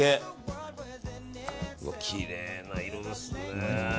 きれいな色ですね。